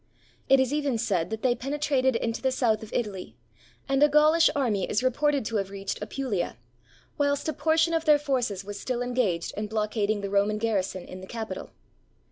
It is even said that they penetrated into the south of Italy; and a Gaulish army is reported to have reached Apulia, whilst a portion of their forces was still engaged in blockading the Roman garrison in the Capitol.